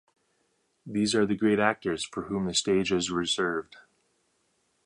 These are the great actors for whom the stage is reserved.